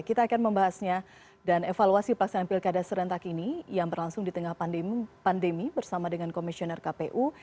kita akan membahasnya dan evaluasi pelaksanaan pilkada serentak ini yang berlangsung di tengah pandemi bersama dengan komisioner kpu